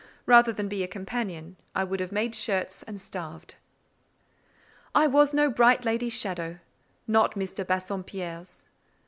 Rather than be a companion, I would have made shirts and starved. I was no bright lady's shadow—not Miss de Bassompierre's.